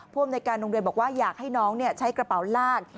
อำนวยการโรงเรียนบอกว่าอยากให้น้องใช้กระเป๋าลาก